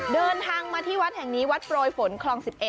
เดินทางมาที่วัดแห่งนี้วัดโปรยฝนคลอง๑๑